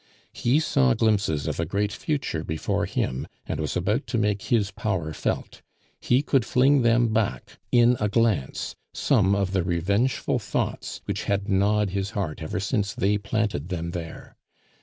He saw glimpses of a great future before him, and was about to make his power felt. He could fling them back in a glance some of the revengeful thoughts which had gnawed his heart ever since they planted them there.